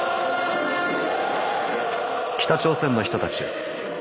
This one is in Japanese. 北朝鮮の人たちです。